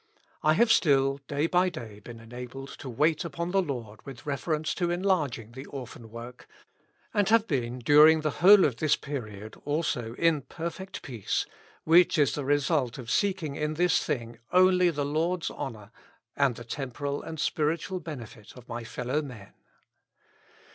I have still day by day been enabled to wait upon the Lord with reference to enlarging the Orphan work, and have been during the whole of this period also in perfect peace, which is the result of seeking in this thing only the Lord's honor and the temporal and spiritual benefit of my fellow men.